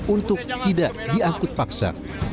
untuk tidak diangkut paksa